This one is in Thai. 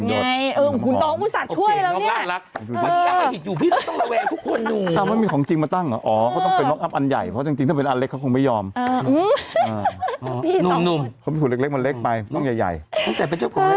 ดูสิไม่มีของจริงบางคนไงบางคนคือก็แบบเอาแบบยะดมอะไรอย่าง